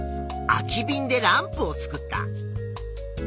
空きびんでランプを作った。